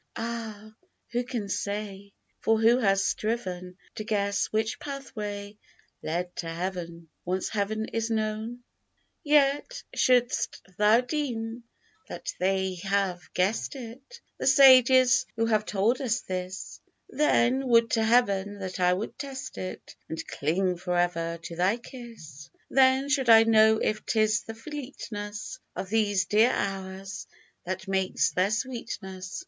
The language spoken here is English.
Ah ! who can say ? For who has striven To guess which pathway led to Heaven — Once Heav'n is known ? 74 Love's Hours. Yet, should'st thou deem that they have guess'd it, (The sages who have told us this), Then, would to Heav'n that I could test it. And cling for ever to thy kiss ! Then should I know if 'tis the fleetness Of these dear hours that makes their sweetness.